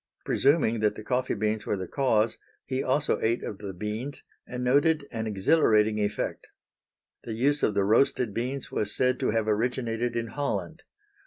Presuming that the coffee beans were the cause, he also ate of the beans and noted an exhilarating effect. The use of the roasted beans was said to have originated in Holland.